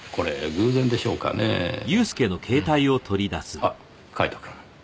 あっカイトくん。